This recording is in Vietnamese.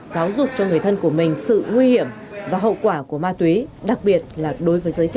giáo dục cho người thân của mình sự nguy hiểm và hậu quả của ma túy đặc biệt là đối với giới trẻ